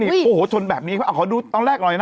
นี่โอ้โหชนแบบนี้ขอดูตั้งแรกหน่อยนะ